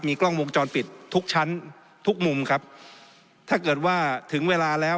กล้องวงจรปิดทุกชั้นทุกมุมครับถ้าเกิดว่าถึงเวลาแล้ว